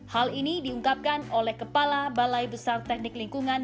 hal ini diungkapkan oleh kepala balai besar teknik lingkungan